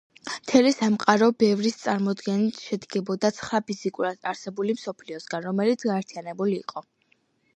მთელი სამყარო, ბევრის წარმოდგენით, შედგებოდა ცხრა ფიზიკურად არსებული მსოფლიოსგან, რომელიც გაერთიანებული იყო.